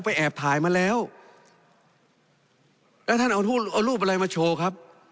แอบถ่ายมาแล้วแล้วท่านเอารูปอะไรมาโชว์ครับ